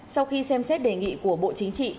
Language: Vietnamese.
sau khi xem xét đề nghị của bộ chính trị